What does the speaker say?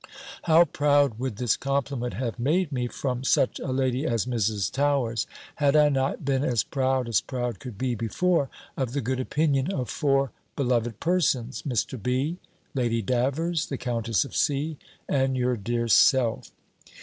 How proud would this compliment have made me from such a lady as Mrs. Towers, had I not been as proud as proud could be before, of the good opinion of four beloved persons, Mr. B., Lady Davers, the Countess of C. and your dear self.